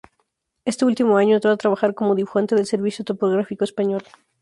Este último año entró a trabajar como dibujante del Servicio Topográfico Español.